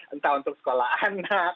entah untuk sekolah anak